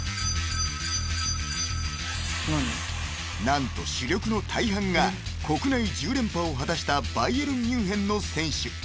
［何と主力の大半が国内１０連覇を果たしたバイエルン・ミュンヘンの選手］